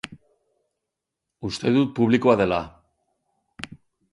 Uste dut publikoa dela.